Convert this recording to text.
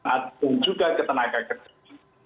ataupun juga ketenagaan kecil